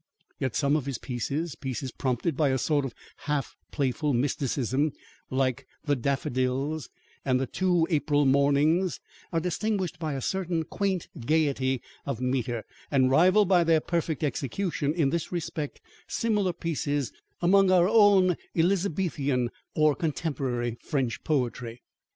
Yet some of his pieces, pieces prompted by a sort of half playful mysticism, like the Daffodils and The Two April Mornings, are distinguished by a certain quaint gaiety of metre, and rival by their perfect execution, in this respect, similar pieces among our own Elizabethan, or contemporary French poetry.